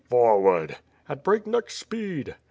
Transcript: ^* "Forward!" "At breakneck speed."